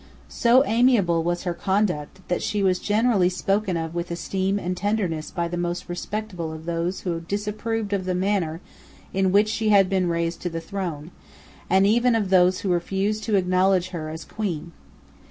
So amiable was her conduct, that she was generally spoken of with esteem and tenderness by the most respectable of those who disapproved of the manner in which she had been raised to the throne, and even of those who refused to acknowledge her as Queen.